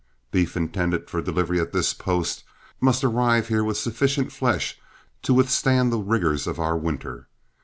Beef intended for delivery at this post must arrive here with sufficient flesh to withstand the rigors of our winter.